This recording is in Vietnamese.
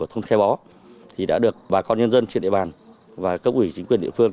thôn khe bó thì đã được bà con nhân dân trên địa bàn và cấp ủy chính quyền địa phương